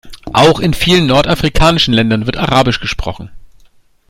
Auch in vielen nordafrikanischen Ländern wird arabisch gesprochen.